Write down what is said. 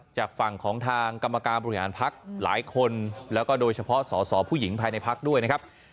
จากฝั่งของทางกรรมการบริหารพักหลายคนแล้วก็โดยเฉพาะสอสอผู้หญิงภายในพักด้วยนะครับ